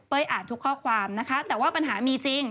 อ่านทุกข้อความนะคะแต่ว่าปัญหามีจริง